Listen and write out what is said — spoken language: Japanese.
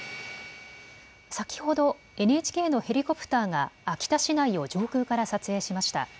先ほどＮＨＫのヘリコプターが秋田市内を上空から撮影しました。